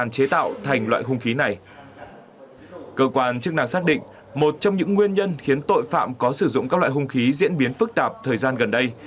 các vụ án chức năng xác định một trong những nguyên nhân khiến tội phạm có sử dụng các loại hông khí diễn biến phức tạp thời gian gần đây